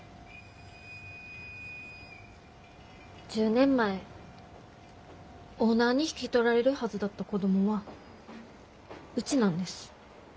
１０年前オーナーに引き取られるはずだった子供はうちなんです。